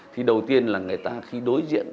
thì đầu tiên là người ta khi đối diện